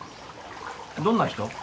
どんな人？